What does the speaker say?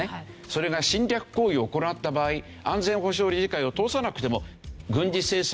それが侵略行為を行った場合安全保障理事会を通さなくても軍事制裁をする事ができる。